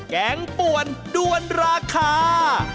แกงป่วนด้วนราคา